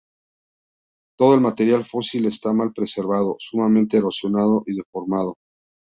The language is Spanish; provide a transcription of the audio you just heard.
Todo el material fósil está mal preservado, sumamente erosionado y deformado.